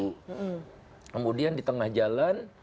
kemudian di tengah jalan